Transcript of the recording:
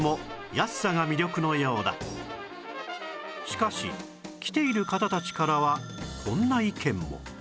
しかし来ている方たちからはこんな意見も